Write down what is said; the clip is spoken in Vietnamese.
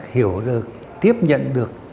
hiểu được tiếp nhận được